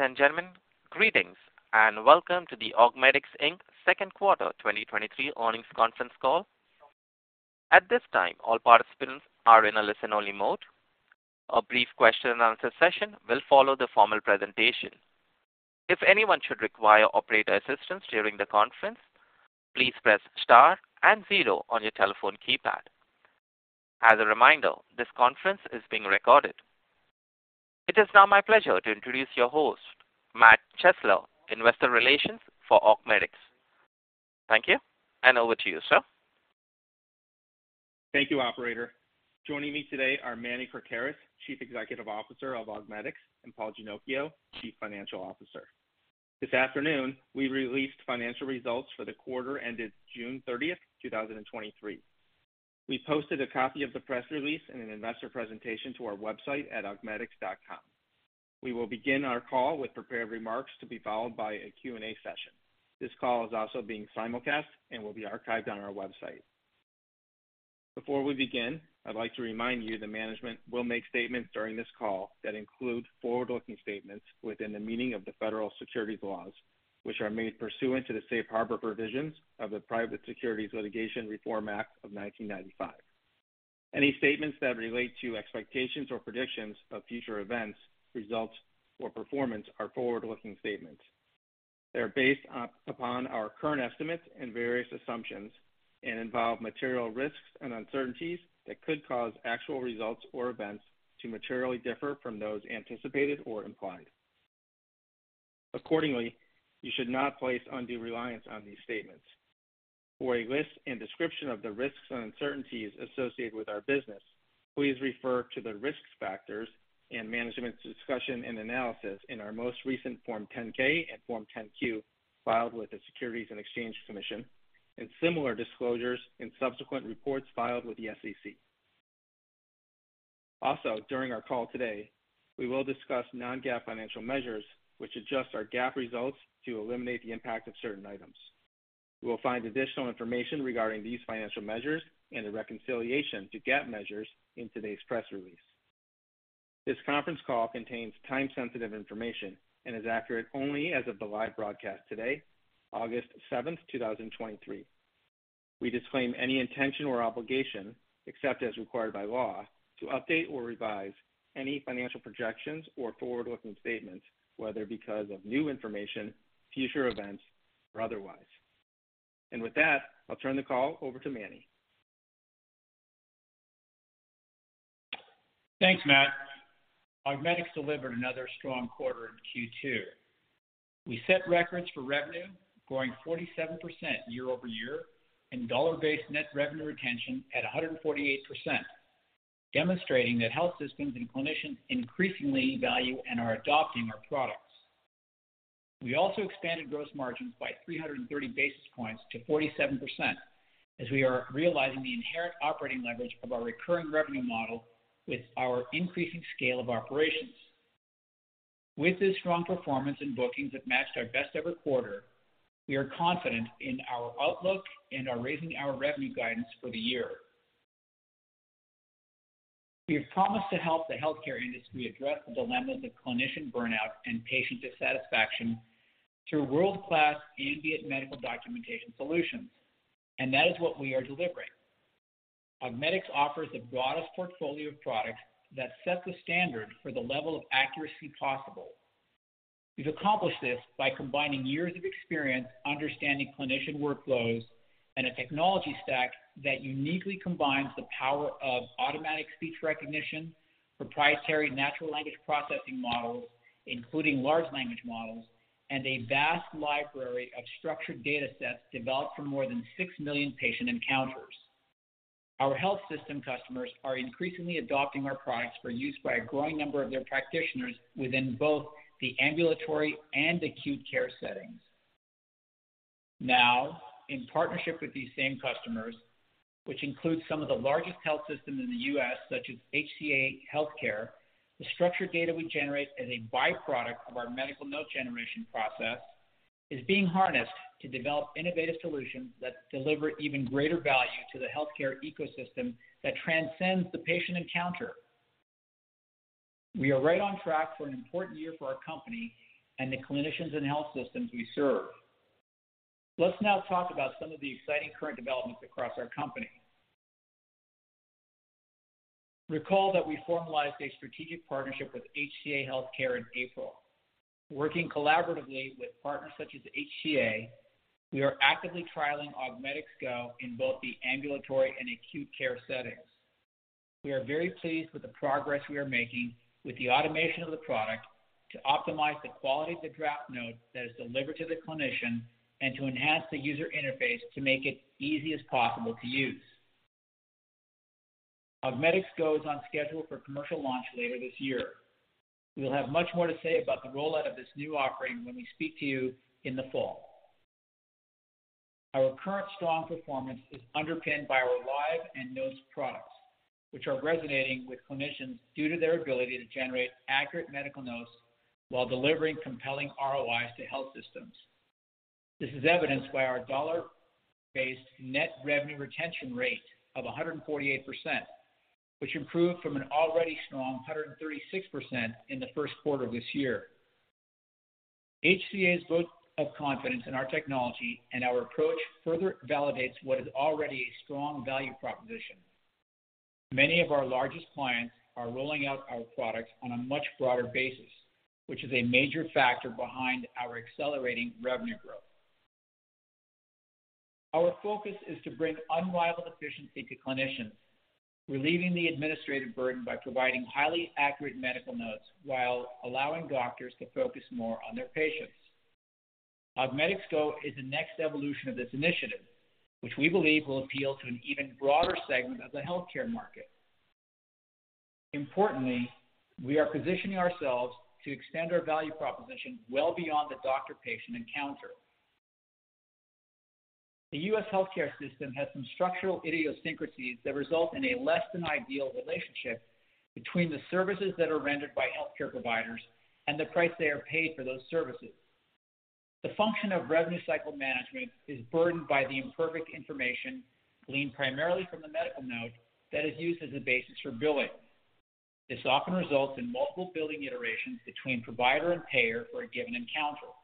Ladies and gentlemen, greetings, and welcome to the Augmedix Inc.'s second quarter 2023 earnings conference call. At this time, all participants are in a listen-only mode. A brief question-and-answer session will follow the formal presentation. If anyone should require operator assistance during the conference, please press star and zero on your telephone keypad. As a reminder, this conference is being recorded. It is now my pleasure to introduce your host, Matt Chesler, Investor Relations for Augmedix. Thank you, and over to you, sir. Thank you, operator. Joining me today are Manny Krakaris, Chief Executive Officer of Augmedix, and Paul Ginocchio, Chief Financial Officer. This afternoon, we released financial results for the quarter ended June 30th, 2023. We posted a copy of the press release and an investor presentation to our website at augmedix.com. We will begin our call with prepared remarks to be followed by a Q&A session. This call is also being simulcast and will be archived on our website. Before we begin, I'd like to remind you that management will make statements during this call that include forward-looking statements within the meaning of the federal securities laws, which are made pursuant to the Safe Harbor provisions of the Private Securities Litigation Reform Act of 1995. Any statements that relate to expectations or predictions of future events, results, or performance are forward-looking statements. They are based upon our current estimates and various assumptions involve material risks and uncertainties that could cause actual results or events to materially differ from those anticipated or implied. Accordingly, you should not place undue reliance on these statements. For a list and description of the risks and uncertainties associated with our business, please refer to the risk factors and management's discussion and analysis in our most recent Form 10-K and Form 10-Q filed with the Securities and Exchange Commission, similar disclosures in subsequent reports filed with the SEC. Also, during our call today, we will discuss non-GAAP financial measures, which adjust our GAAP results to eliminate the impact of certain items. You will find additional information regarding these financial measures and the reconciliation to GAAP measures in today's press release. This conference call contains time-sensitive information and is accurate only as of the live broadcast today, August seventh, 2023. We disclaim any intention or obligation, except as required by law, to update or revise any financial projections or forward-looking statements, whether because of new information, future events, or otherwise. With that, I'll turn the call over to Manny. Thanks, Matt. Augmedix delivered another strong quarter in Q2. We set records for revenue, growing 47% year-over-year, and dollar-based net revenue retention at 148%, demonstrating that health systems and clinicians increasingly value and are adopting our products. We also expanded gross margins by 330 basis points to 47%, as we are realizing the inherent operating leverage of our recurring revenue model with our increasing scale of operations. With this strong performance and bookings that matched our best-ever quarter, we are confident in our outlook and are raising our revenue guidance for the year. We have promised to help the healthcare industry address the dilemmas of clinician burnout and patient dissatisfaction through world-class ambient medical documentation solutions, and that is what we are delivering. Augmedix offers the broadest portfolio of products that set the standard for the level of accuracy possible. We've accomplished this by combining years of experience understanding clinician workflows and a technology stack that uniquely combines the power of automatic speech recognition, proprietary natural language processing models, including large language models, and a vast library of structured datasets developed from more than six million patient encounters. Our health system customers are increasingly adopting our products for use by a growing number of their practitioners within both the ambulatory and acute care settings. Now, in partnership with these same customers, which includes some of the largest health systems in the US, such as HCA Healthcare, the structured data we generate as a byproduct of our medical note generation process is being harnessed to develop innovative solutions that deliver even greater value to the healthcare ecosystem that transcends the patient encounter. We are right on track for an important year for our company and the clinicians and health systems we serve. Let's now talk about some of the exciting current developments across our company. Recall that we formalized a strategic partnership with HCA Healthcare in April. Working collaboratively with partners such as HCA, we are actively trialing Augmedix Go in both the ambulatory and acute care settings. We are very pleased with the progress we are making with the automation of the product to optimize the quality of the draft note that is delivered to the clinician and to enhance the user interface to make it easy as possible to use. Augmedix Go is on schedule for commercial launch later this year. We will have much more to say about the rollout of this new offering when we speak to you in the fall. Our curent strong performance is underpinned by our Live and Notes products, which are resonating with clinicians due to their ability to generate accurate medical notes while delivering compelling ROIs to health systems. This is evidenced by our dollar-based net revenue retention rate of 148%, which improved from an already strong 136% in the first quarter of this year. HCA's vote of confidence in our technology and our approach further validates what is already a strong value proposition. Many of our largest clients are rolling out our products on a much broader basis, which is a major factor behind our accelerating revenue growth. Our focus is to bring unrivaled efficiency to clinicians, relieving the administrative burden by providing highly accurate medical notes while allowing doctors to focus more on their patients. Augmedix Go is the next evolution of this initiative, which we believe will appeal to an even broader segment of the healthcare market. Importantly, we are positioning ourselves to extend our value proposition well beyond the doctor-patient encounter. The U.S. healthcare system has some structural idiosyncrasies that result in a less than ideal relationship between the services that are rendered by healthcare providers and the price they are paid for those services. The function of revenue cycle management is burdened by the imperfect information, gleaned primarily from the medical note, that is used as a basis for billing. This often results in multiple billing iterations between provider and payer for a given encounter,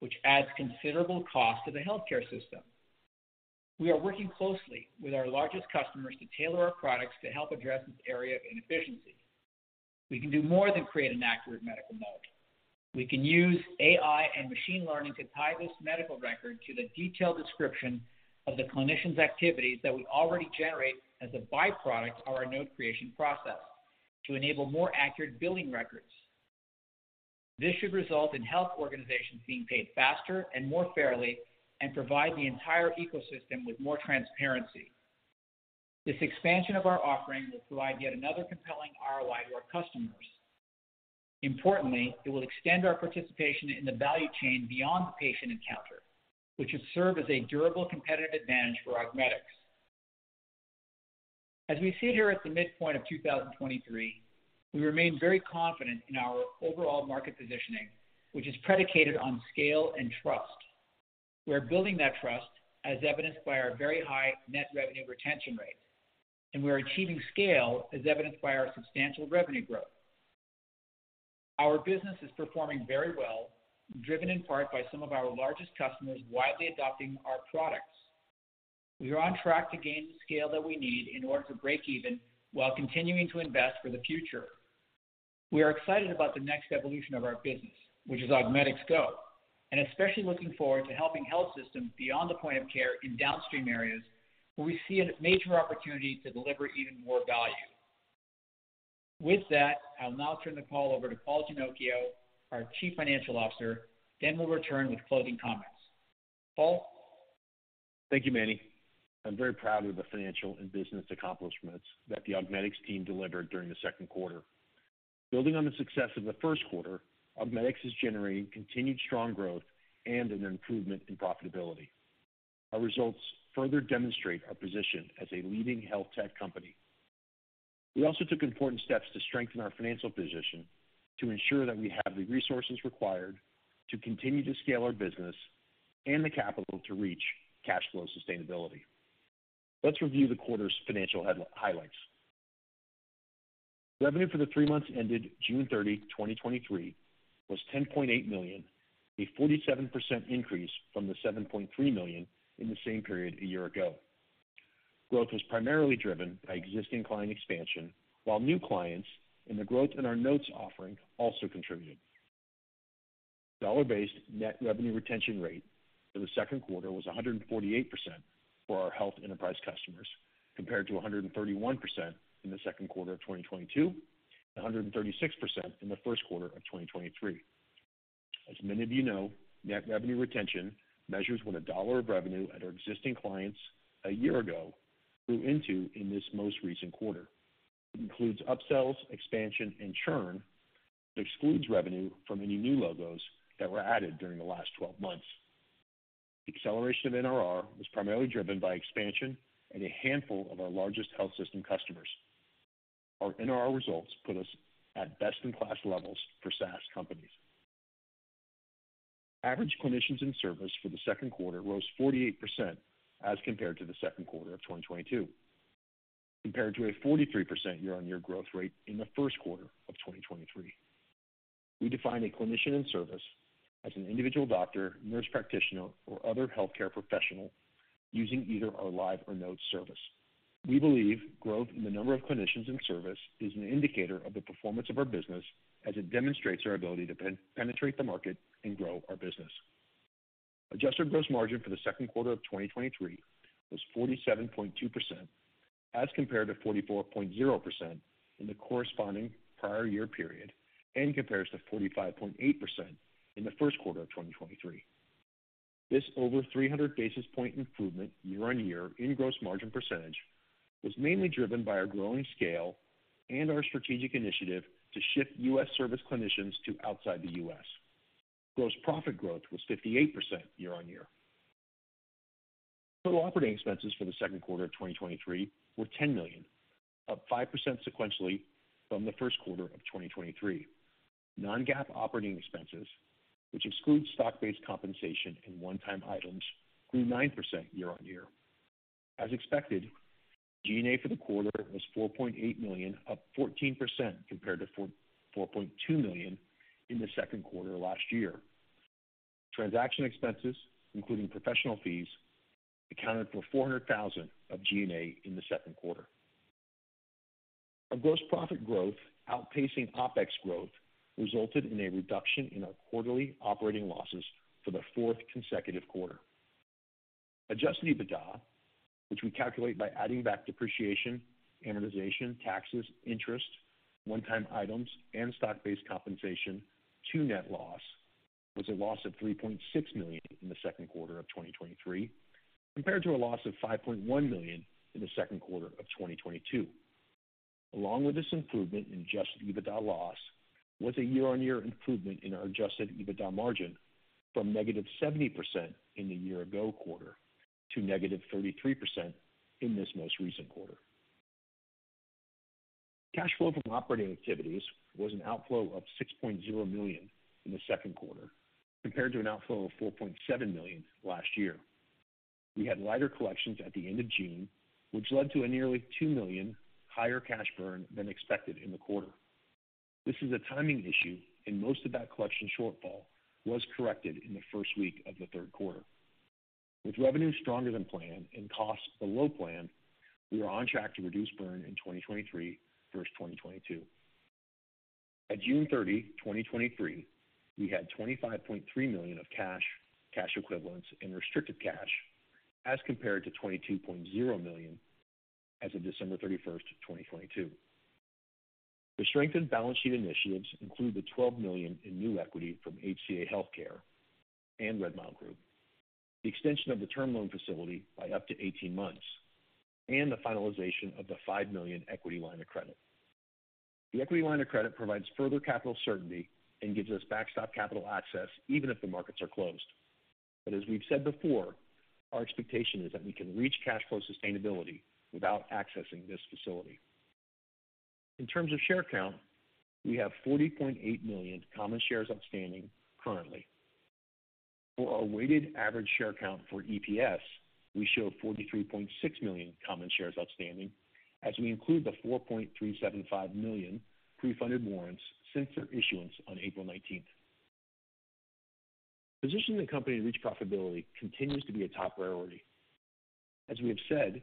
which adds considerable cost to the healthcare system. We are working closely with our largest customers to tailor our products to help address this area of inefficiency. We can do more than create an accurate medical note. We can use AI and machine learning to tie this medical record to the detailed description of the clinician's activities that we already generate as a byproduct of our note creation process, to enable more accurate billing records. This should result in health organizations being paid faster and more fairly and provide the entire ecosystem with more transparency. This expansion of our offering will provide yet another compelling ROI to our customers. Importantly, it will extend our participation in the value chain beyond the patient encounter, which should serve as a durable competitive advantage for Augmedix. As we sit here at the midpoint of 2023, we remain very confident in our overall market positioning, which is predicated on scale and trust. We are building that trust, as evidenced by our very high net revenue retention rate, and we are achieving scale, as evidenced by our substantial revenue growth. Our business is performing very well, driven in part by some of our largest customers widely adopting our products. We are on track to gain the scale that we need in order to break even while continuing to invest for the future. We are excited about the next evolution of our business, which is Augmedix Go, and especially looking forward to helping health systems beyond the point of care in downstream areas, where we see a major opportunity to deliver even more value. With that, I'll now turn the call over to Paul Ginocchio, our Chief Financial Officer, then we'll return with closing comments. Paul? Thank you, Manny. I'm very proud of the financial and business accomplishments that the Augmedix team delivered during the second quarter. Building on the success of the first quarter, Augmedix is generating continued strong growth and an improvement in profitability. Our results further demonstrate our position as a leading health tech company. We also took important steps to strengthen our financial position to ensure that we have the resources required to continue to scale our business and the capital to reach cash flow sustainability. Let's review the quarter's financial highlights. Revenue for the three months ended June 30, 2023, was 10.8 million, a 47% increase from the 7.3 million in the same period a year ago. Growth was primarily driven by existing client expansion, while new clients and the growth in our Notes offering also contributed. Dollar-based net revenue retention rate for the second quarter was 148% for our health enterprise customers, compared to 131% in the second quarter of 2022, and 136% in the first quarter of 2023. As many of you know, net revenue retention measures what a dollar of revenue at our existing clients a year ago grew into in this most recent quarter. It includes upsells, expansion, and churn, but excludes revenue from any new logos that were added during the last 12 months. The acceleration of NRR was primarily driven by expansion and a handful of our largest health system customers. Our NRR results put us at best-in-class levels for SaaS companies. Average clinicians in service for the second quarter rose 48% as compared to the second quarter of 2022, compared to a 43% year-on-year growth rate in the first quarter of 2023. We define a clinician in service as an individual doctor, nurse practitioner, or other healthcare professional using either our Live or Notes service. We believe growth in the number of clinicians in service is an indicator of the performance of our business, as it demonstrates our ability to penetrate the market and grow our business. Adjusted gross margin for the second quarter of 2023 was 47.2%, as compared to 44.0% in the corresponding prior year period and compares to 45.8% in the first quarter of 2023. This over 300 basis point improvement year-on-year in gross margin % was mainly driven by our growing scale and our strategic initiative to shift U.S. service clinicians to outside the U.S. Gross profit growth was 58% year-on-year. Total operating expenses for the second quarter of 2023 were $10 million, up 5% sequentially from the first quarter of 2023. Non-GAAP operating expenses, which exclude stock-based compensation and one-time items, grew 9% year-on-year. As expected, G&A for the quarter was $4.8 million, up 14% compared to $4.2 million in the second quarter of last year. Transaction expenses, including professional fees, accounted for $400,000 of G&A in the second quarter. Our gross profit growth, outpacing OpEx growth, resulted in a reduction in our quarterly operating losses for the fourth consecutive quarter. Adjusted EBITDA, which we calculate by adding back depreciation, amortization, taxes, interest, one-time items, and stock-based compensation to net loss, was a loss of $3.6 million in the second quarter of 2023, compared to a loss of 5.1 million in the second quarter of 2022. Along with this improvement in Adjusted EBITDA loss, was a year-over-year improvement in our Adjusted EBITDA margin from negative 70% in the year ago quarter to negative 33% in this most recent quarter. Cash flow from operating activities was an outflow of 6.0 million in the second quarter, compared to an outflow of 4.7 million last year. We had lighter collections at the end of June, which led to a nearly $2 million higher cash burn than expected in the quarter. This is a timing issue. Most of that collection shortfall was corrected in the first week of the third quarter. With revenue stronger than planned and costs below plan, we are on track to reduce burn in 2023 versus 2022. At June 30, 2023, we had 25.3 million of cash, cash equivalents, and restricted cash, as compared to 22.0 million as of December 31, 2022. The strengthened balance sheet initiatives include the 12 million in new equity from HCA Healthcare and Redmile Group, the extension of the term loan facility by up to 18 months, and the finalization of the $5 million equity line of credit. The equity line of credit provides further capital certainty and gives us backstop capital access even if the markets are closed. As we've said before, our expectation is that we can reach cash flow sustainability without accessing this facility. In terms of share count, we have 40.8 million common shares outstanding currently. For our weighted average share count for EPS, we show 43.6 million common shares outstanding as we include the 4.375 million pre-funded warrants since their issuance on April 19th. Positioning the company to reach profitability continues to be a top priority. As we have said,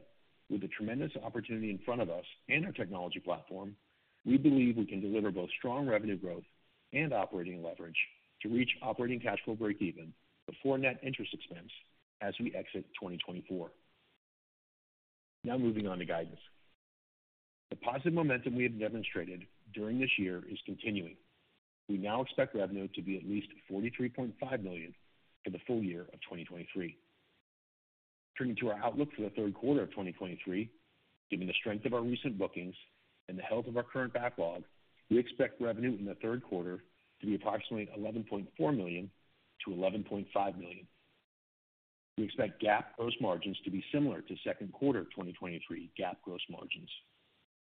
with the tremendous opportunity in front of us and our technology platform, we believe we can deliver both strong revenue growth and operating leverage to reach operating cash flow breakeven before net interest expense as we exit 2024. Moving on to guidance. The positive momentum we have demonstrated during this year is continuing. We now expect revenue to be at least 43.5 million for the full year of 2023. Turning to our outlook for the third quarter of 2023, given the strength of our recent bookings and the health of our current backlog, we expect revenue in the third quarter to be approximately 11.4 million-11.5 million. We expect GAAP gross margins to be similar to second quarter of 2023 GAAP gross margins.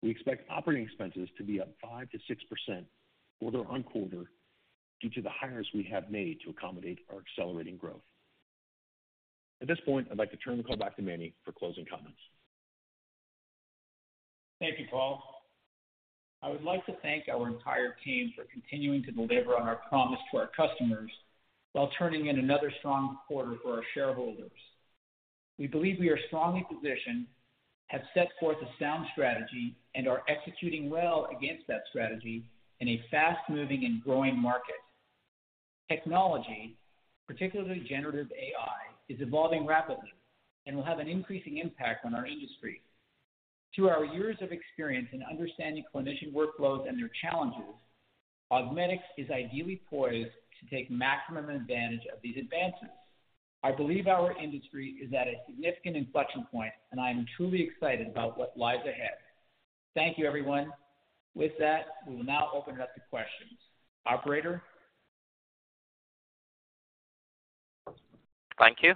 We expect operating expenses to be up 5%-6% quarter-over-quarter due to the hires we have made to accommodate our accelerating growth. At this point, I'd like to turn the call back to Manny for closing comments. Thank you, Paul. I'd like to thank our entire team for continuing to deliver on our promise to our customers while turning in another strong quarter for our shareholders. We believe we are strongly positioned, have set forth a sound strategy, and are executing well against that strategy in a fast-moving and growing market. Technology, particularly generative AI, is evolving rapidly and will have an increasing impact on our industry. Through our years of experience in understanding clinician workflows and their challenges, Augmedix is ideally poised to take maximum advantage of these advances. I believe our industry is at a significant inflection point, and I am truly excited about what lies ahead. Thank you, everyone. With that, we will now open it up to questions. Operator? Thank you.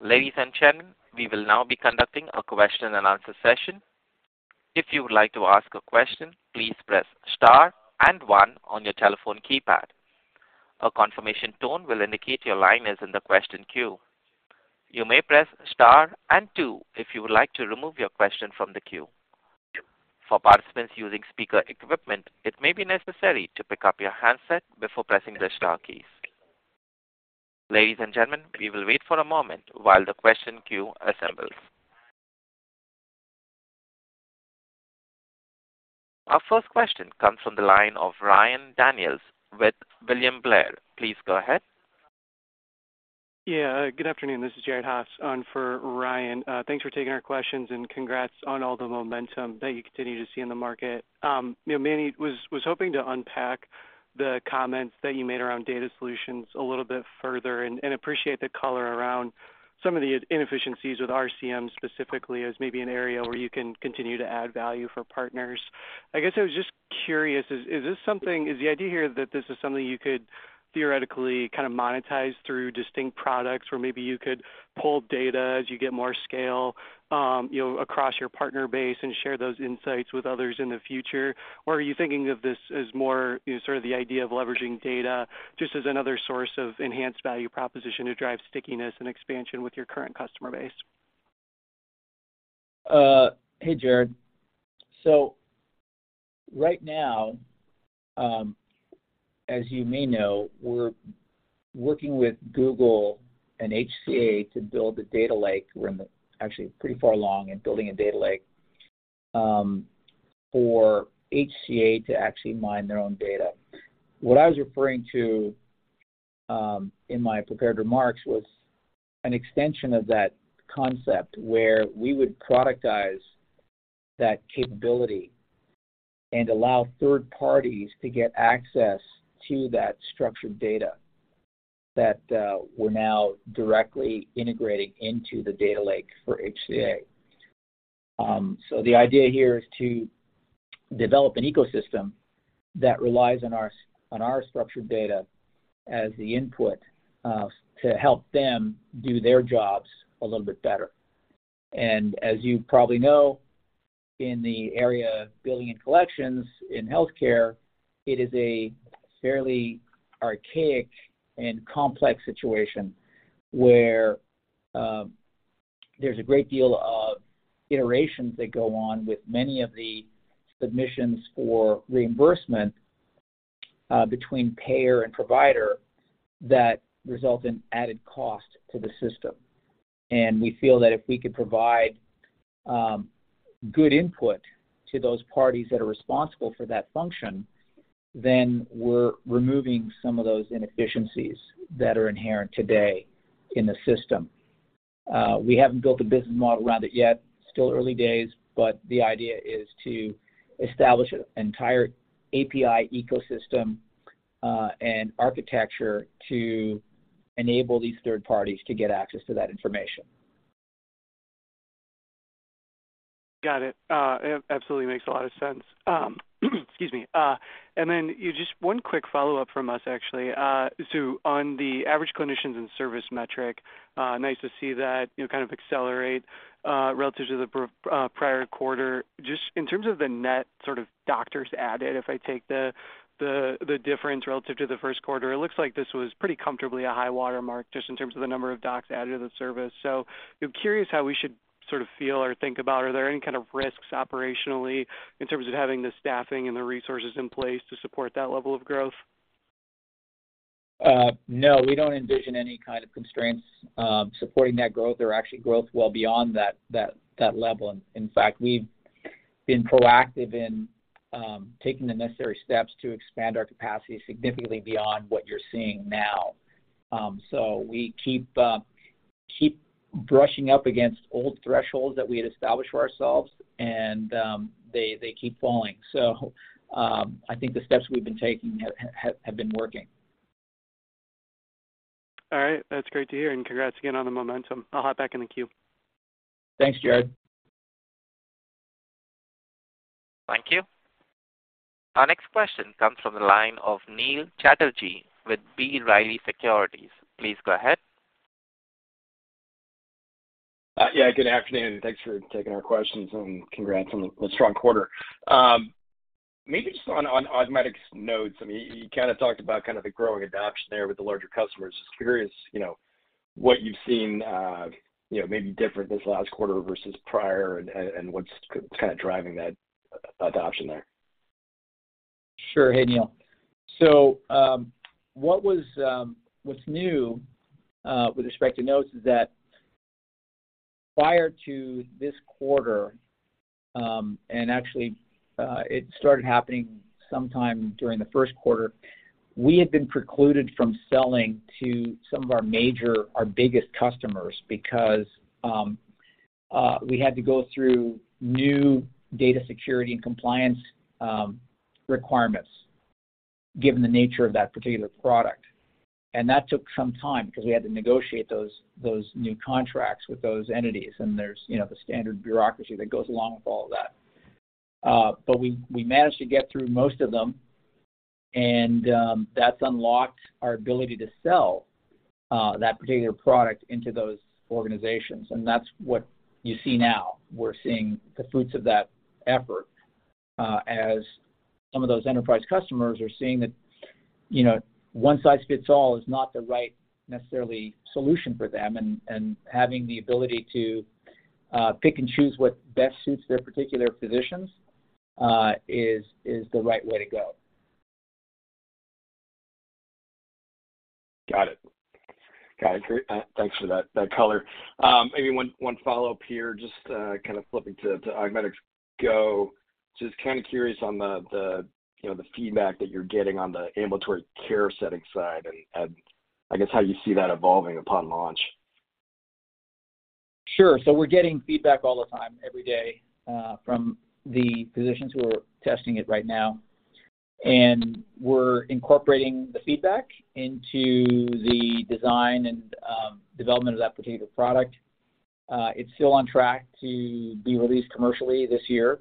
Ladies and gentlemen, we will now be conducting a question-and-answer session. If you would like to ask a question, please press star and one on your telephone keypad. A confirmation tone will indicate your line is in the question queue. You may press star and two if you would like to remove your question from the queue. For participants using speaker equipment, it may be necessary to pick up your handset before pressing the star keys. Ladies and gentlemen, we will wait for a moment while the question queue assembles. Our first question comes from the line of Ryan Daniels with William Blair. Please go ahead. Yeah, good afternoon. This is Jared Haase on for Ryan. Thanks for taking our questions and congrats on all the momentum that you continue to see in the market. You know, Manny, was hoping to unpack the comments that you made around data solutions a little bit further and appreciate the color around some of the inefficiencies with RCM specifically as maybe an area where you can continue to add value for partners. I guess I was just curious, is this something? Is the idea here that this is something you could theoretically kind of monetized through distinct products, where maybe you could pull data as you get more scale, you know, across your partner base and share those insights with others in the future? Are you thinking of this as more, you know, sort of the idea of leveraging data just as another source of enhanced value proposition to drive stickiness and expansion with your current customer base? Hey, Jared. Right now, as you may know, we're working with Google and HCA to build a data lake. We're actually pretty far along in building a data lake for HCA to actually mine their own data. What I was referring to in my prepared remarks was an extension of that concept, where we would productize that capability and allow third parties to get access to that structured data, that we're now directly integrating into the data lake for HCA. The idea here is to develop an ecosystem that relies on our, on our structured data as the input to help them do their jobs a little bit better. As you probably know, in the area of billing and collections in healthcare, it is a fairly archaic and complex situation, where there's a great deal of iterations that go on with many of the submissions for reimbursement between payer and provider, that result in added cost to the system. We feel that if we could provide good input to those parties that are responsible for that function, then we're removing some of those inefficiencies that are inherent today in the system. We haven't built a business model around it yet. Still early days, but the idea is to establish an entire API ecosystem and architecture to enable these third parties to get access to that information. Got it. It absolutely makes a lot of sense. Excuse me. Then you just one quick follow-up from us, actually. On the average clinicians and service metric, nice to see that, you know, kind of accelerate, relative to the prior quarter. Just in terms of the net sort of doctors added, if I take the, the, the difference relative to the first quarter, it looks like this was pretty comfortably a high water mark, just in terms of the number of docs added to the service. I'm curious how we should sort of feel or think about, are there any kind of risks operationally, in terms of having the staffing and the resources in place to support that level of growth? No, we don't envision any kind of constraints, supporting that growth or actually growth well beyond that, that, that level. In fact, we've been proactive in taking the necessary steps to expand our capacity significantly beyond what you're seeing now. We keep, keep brushing up against old thresholds that we had established for ourselves, and, they, they keep falling. I think the steps we've been taking have, have, have been working. All right. That's great to hear, and congrats again on the momentum. I'll hop back in the queue. Thanks, Jared. Thank you. Our next question comes from the line of Neil Chatterji with B. Riley Securities. Please go ahead. Yeah, good afternoon, and thanks for taking our questions, and congrats on the, the strong quarter. Maybe just on, on Augmedix Notes, I mean, you kind of talked about kind of the growing adoption there with the larger customers. Just curious, you know, what you've seen, you know, maybe different this last quarter versus prior, and, and, and what's kind of driving that adoption there? Sure. Hey, Neil. What was, what's new with respect to Notes is that prior to this quarter, and actually, it started happening sometime during the first quarter, we had been precluded from selling to some of our major, our biggest customers because we had to go through new data security and compliance requirements, given the nature of that particular product. That took some time because we had to negotiate those, those new contracts with those entities, and there's, you know, the standard bureaucracy that goes along with all of that. We, we managed to get through most of them, and that's unlocked our ability to sell that particular product into those organizations, and that's what you see now. We're seeing the fruits of that effort, as some of those enterprise customers are seeing that, you know, one size fits all is not the right necessarily solution for them, and, and having the ability to pick and choose what best suits their particular physicians, is, is the right way to go. Got it. Got it. Great. Thanks for that, that color. Maybe one, one follow-up here, just kind of flipping to Augmedix Go. Just kind of curious on the, the, you know, the feedback that you're getting on the ambulatory care setting side and, and I guess how you see that evolving upon launch? Sure. We're getting feedback all the time, every day, from the physicians who are testing it right now. We're incorporating the feedback into the design and development of that particular product. It's still on track to be released commercially this year,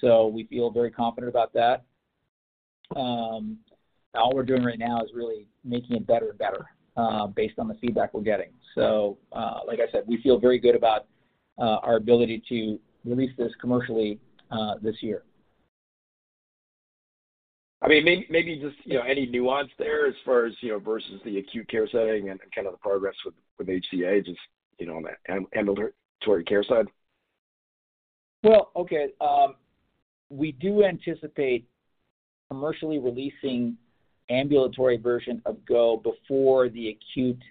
so we feel very confident about that. All we're doing right now is really making it better and better, based on the feedback we're getting. Like I said, we feel very good about our ability to release this commercially this year. I mean, maybe just, you know, any nuance there as far as, you know, versus the acute care setting and, and kind of the progress with, with HCA, just, you know, on the ambulatory care side? Well, okay. We do anticipate commercially releasing ambulatory version of Go before the acute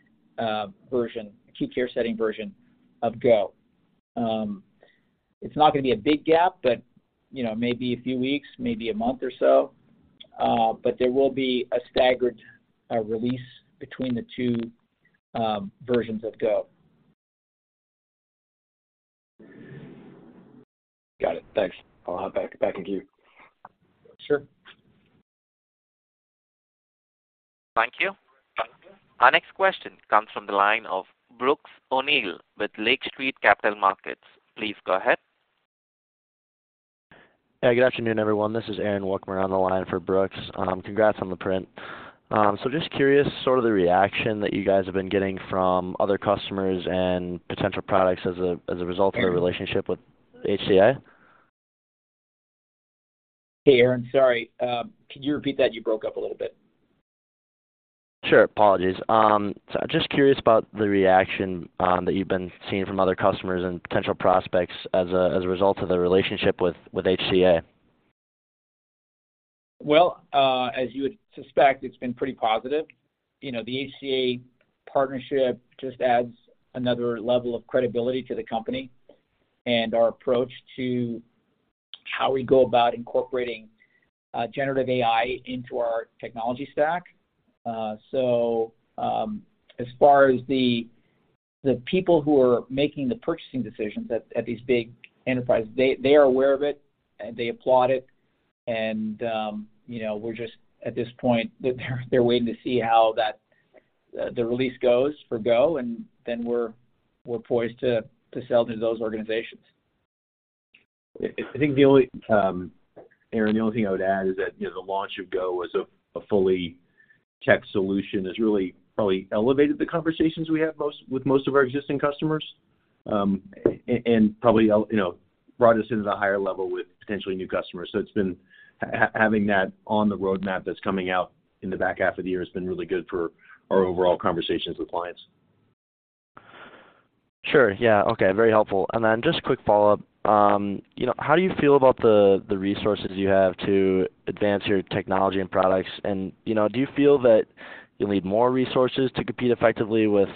version, acute care setting version of Go. It's not going to be a big gap, but, you know, maybe a few weeks, maybe a month or so. There will be a staggered release between the 2 versions of Go. Got it. Thanks a lot. Back, back with you. Sure. Thank you. Our next question comes from the line of Brooks O'Neil with Lake Street Capital Markets. Please go ahead. Hey, good afternoon, everyone. This is Aaron Wukmir on the line for Brooks. Congrats on the print. Just curious, sort of the reaction that you guys have been getting from other customers and potential products as a result of the relationship with HCA? Hey, Aaron, sorry. Could you repeat that? You broke up a little bit. Sure. Apologies. Just curious about the reaction that you've been seeing from other customers and potential prospects as a, as a result of the relationship with, with HCA? Well, as you would suspect, it's been pretty positive. You know, the HCA partnership just adds another level of credibility to the company and our approach to how we go about incorporating generative AI into our technology stack. As far as the, the people who are making the purchasing decisions at, at these big enterprises, they, they are aware of it, and they applaud it. You know, we're just at this point, they're, they're waiting to see how that the release goes for Go, and then we're, we're poised to, to sell to those organizations. I think the only, Aaron, the only thing I would add is that, you know, the launch of Go as a fully checked solution has really probably elevated the conversations we have with most of our existing customers. Probably, you know, brought us into the higher level with potentially new customers. So it's been having that on the roadmap that's coming out in the back half of the year has been really good for our overall conversations with clients. Sure. Yeah. Okay. Very helpful. Then just a quick follow-up. You know, how do you feel about the, the resources you have to advance your technology and products? You know, do you feel that you'll need more resources to compete effectively with,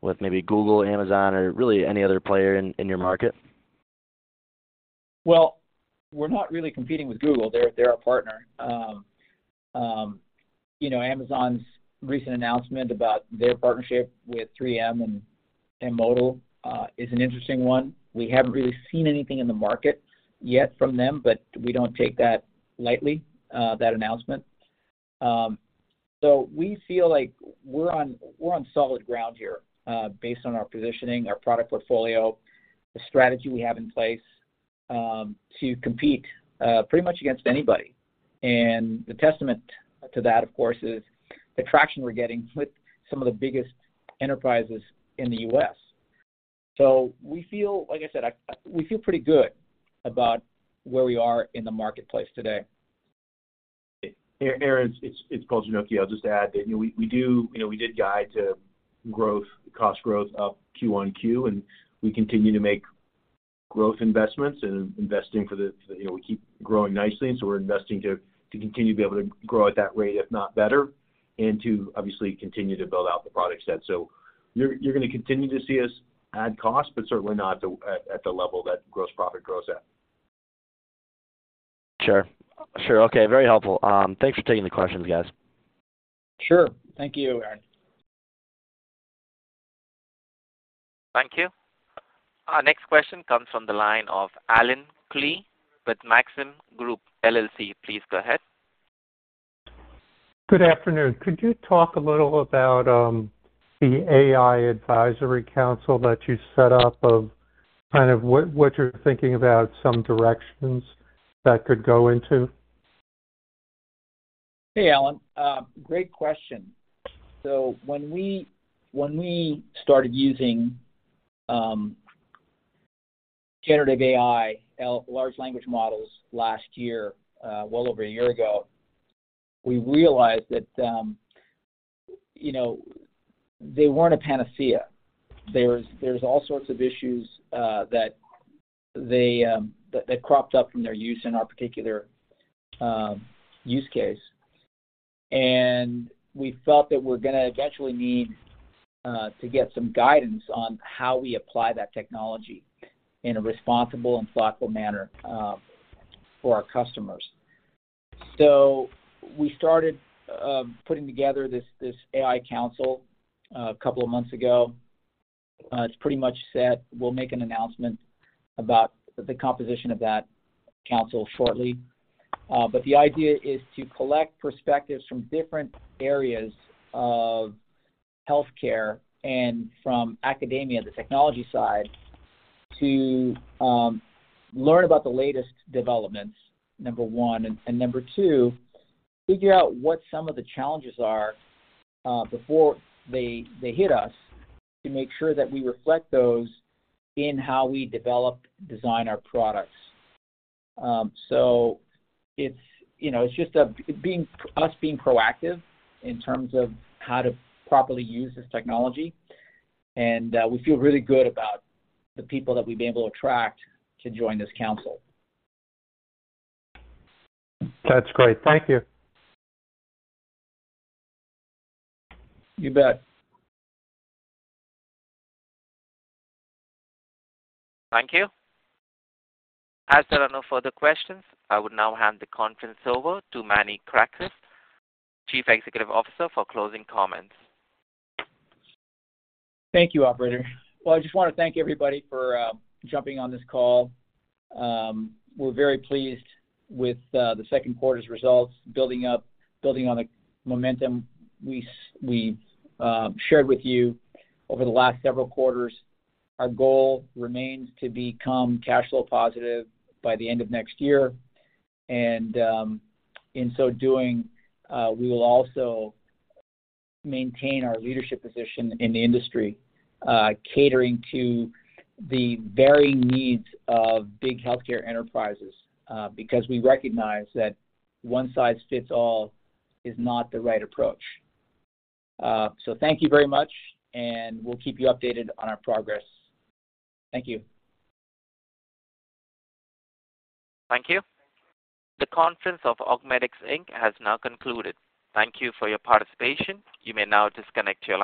with maybe Google, Amazon, or really any other player in, in your market? Well, we're not really competing with Google. They're, they're our partner. you know, Amazon's recent announcement about their partnership with 3M and M*Modal, is an interesting one. We haven't really seen anything in the market yet from them, but we don't take that lightly, that announcement. we feel like we're on, we're on solid ground here, based on our positioning, our product portfolio, the strategy we have in place, to compete, pretty much against anybody. The testament to that, of course, is the traction we're getting with some of the biggest enterprises in the U.S. We feel like I said, we feel pretty good about where we are in the marketplace today. Aaron, it's, it's Paul Ginocchio. I'll just add that, you know, we, you know, we did guide to growth, cost growth up QoQ, and we continue to make growth investments and investing for the, you know, we keep growing nicely, and so we're investing to, to continue to be able to grow at that rate, if not better, and to obviously continue to build out the product set. You're, you're going to continue to see us add cost, but certainly not at the, at the level that gross profit grows at. Sure. Sure. Okay. Very helpful. Thanks for taking the questions, guys. Sure. Thank you, Aaron. Thank you. Our next question comes from the line of Allen Klee with Maxim Group, LLC. Please go ahead. Good afternoon. Could you talk a little about, the AI Advisory Council that you set up of kind of what, what you're thinking about, some directions that could go into? Hey, Allen. Great question. When we, when we started using generative AI, large language models last year, well over a year ago, we realized that, you know, they weren't a panacea. There was, there was all sorts of issues that they that cropped up from their use in our particular use case. We felt that we're going to eventually need to get some guidance on how we apply that technology in a responsible and thoughtful manner for our customers. We started putting together this, this AI council a couple of months ago. It's pretty much set. We'll make an announcement about the composition of that council shortly. The idea is to collect perspectives from different areas of healthcare and from academia, the technology side, to learn about the latest developments, number one. Number two, figure out what some of the challenges are before they hit us, to make sure that we reflect those in how we develop, design our products. It's, you know, it's just a, being, us being proactive in terms of how to properly use this technology, and we feel really good about the people that we've been able to attract to join this council. That's great. Thank you. You bet. Thank you. As there are no further questions, I would now hand the conference over to Manny Krakaris, Chief Executive Officer, for closing comments. Thank you, operator. Well, I just want to thank everybody for jumping on this call. We're very pleased with the second quarter's results, building up, building on the momentum we we shared with you over the last several quarters. Our goal remains to become cash flow positive by the end of next year, and in so doing, we will also maintain our leadership position in the industry, catering to the varying needs of big healthcare enterprises, because we recognize that one size fits all is not the right approach. Thank you very much, and we'll keep you updated on our progress. Thank you. Thank you. The conference of Augmedix Inc. has now concluded. Thank you for your participation. You may now disconnect your line.